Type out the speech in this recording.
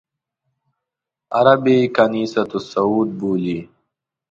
عرب یې کنیسۃ الصعود بولي.